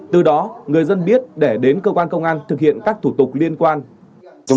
từ đó người dân biết để đến cơ quan công an thực hiện các thủ tục liên quan